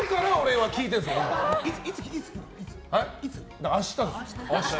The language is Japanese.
だから明日です。